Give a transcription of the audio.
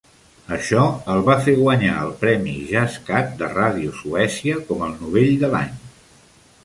Això el va fer guanyar el premi Jazz Cat de Ràdio Suècia com el novell de l'any.